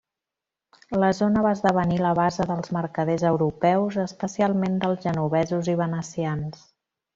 La zona va esdevenir la base dels mercaders europeus, especialment dels genovesos i venecians.